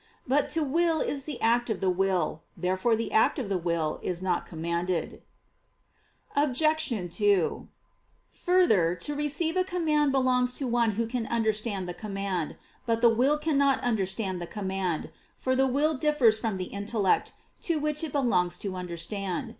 But to will is the act of the will. Therefore the act of the will is not commanded. Obj. 2: Further, to receive a command belongs to one who can understand the command. But the will cannot understand the command; for the will differs from the intellect, to which it belongs to understand.